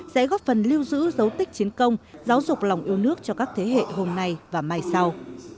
sẽ góp phần lưu giữ dấu tích chiến công giáo dục lòng yêu nước cho các thế hệ hôm nay và mai sau